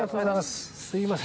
すいません。